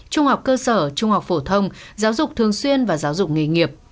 trung học cơ sở trung học phổ thông giáo dục thường xuyên và giáo dục nghề nghiệp